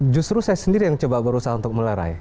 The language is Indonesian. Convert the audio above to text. justru saya sendiri yang coba berusaha untuk melerai